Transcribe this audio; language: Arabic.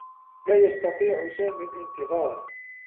لا يستطيع سامي الانتظار.